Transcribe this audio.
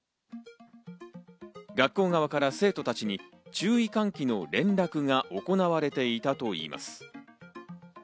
学校側から生徒たちに注意喚起の連絡が行われていたといいます。